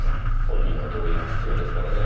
本人の同意が必要ですからね。